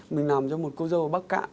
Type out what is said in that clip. mình làm cho một cô dâu ở bắc cạn